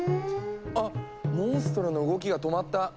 あっモンストロの動きが止まった。